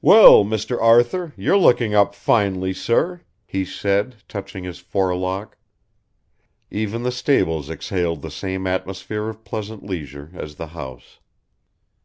"Well, Mr. Arthur, you're looking up finely, sir," he said, touching his forelock. Even the stables exhaled the same atmosphere of pleasant leisure as the house.